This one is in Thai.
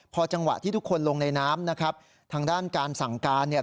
พอจังหวะที่ทุกคนลงในน้ำนะครับทางด้านการสั่งการเนี่ย